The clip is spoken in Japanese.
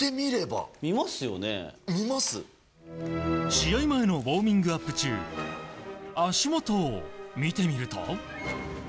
試合前のウォーミングアップ中足元を見てみると。